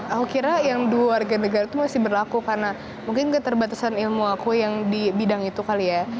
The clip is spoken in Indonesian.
aku kira yang dua warga negara itu masih berlaku karena mungkin keterbatasan ilmu aku yang di bidang itu kali ya